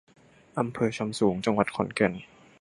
อำเภอซำสูง จังหวัดขอนแก่น